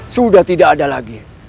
sudah tidak ada lagi